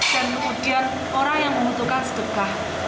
dan kemudian orang yang membutuhkan sedekah